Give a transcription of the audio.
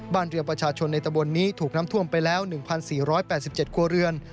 บ้านเรือประชาชนในตะบนนี้ถูกน้ำท่วมไปแล้ว๑๔๘๗ครัวเรือน